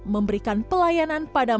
memberikan pelayanan kepadanya